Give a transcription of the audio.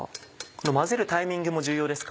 混ぜるタイミングも重要ですか？